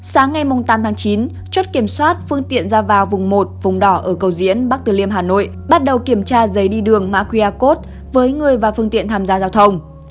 sáng ngày tám tháng chín chốt kiểm soát phương tiện ra vào vùng một vùng đỏ ở cầu diễn bắc từ liêm hà nội bắt đầu kiểm tra giấy đi đường mã qr code với người và phương tiện tham gia giao thông